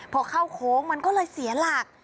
พอเข้าโค้งมันก็เลยเสียหลัก